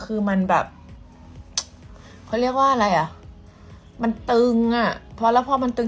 คือมันแบบเขาเรียกว่าอะไรอ่ะมันตึงอ่ะพอแล้วพอมันตึง